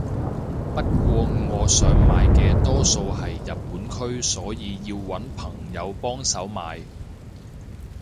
不過我想買嘅多數係日本區所以要搵朋友幫手買